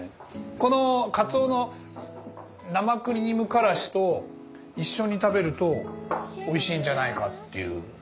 このかつおの生クリームからしと一緒に食べるとおいしいんじゃないかっていう。